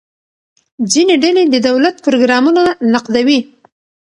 ځینې ډلې د دولت پروګرامونه نقدوي.